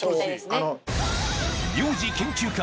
名字研究家